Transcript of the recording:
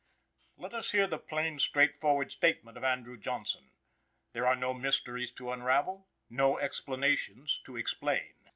Let us hear the plain, straightforward statement of Andrew Johnson. There are no mysteries to unravel, no explanations to explain.